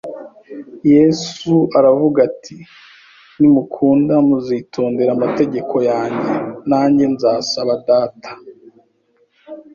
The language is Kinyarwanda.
Yesu aravuga ati: “Nimunkunda, muzitondera amategeko yanjye. Nanjye nzasaba Data,